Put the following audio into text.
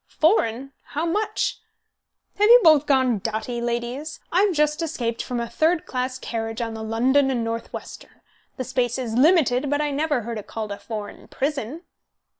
"Foreign, how much? Have you both gone dotty, ladies? I've just escaped from a third class carriage on the London and Northwestern. The space is limited, but I never heard it called a foreign prison."